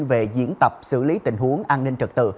về diễn tập xử lý tình huống an ninh trật tự